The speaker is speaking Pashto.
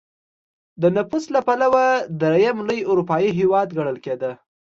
د نفوس له پلوه درېیم لوی اروپايي هېواد ګڼل کېده.